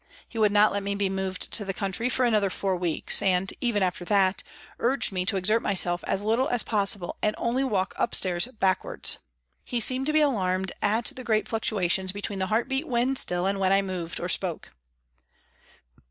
He would not let me be moved to the country for another four weeks, and, even after that, urged me to exert myself as little as possible and only walk upstairs backwards. He seemed to be alarmed at the great fluctuations between the heart beat when still and when I moved or spoke.